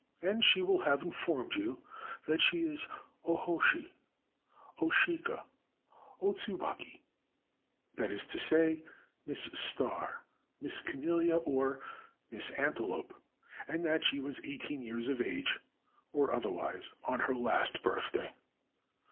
and she will have informed you that she is 0 Hoshi, 0 Shika, O Tsuhaki — that is to say, " Miss Star," " Miss CamelUa," or " Miss Antelope "— and that she was eighteen years of age, or otherwise, on her last birthday.